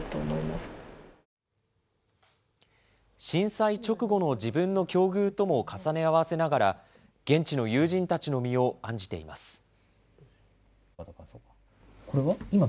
震災直後の自分の境遇とも重ね合わせながら、現地の友人たちの身を案じています。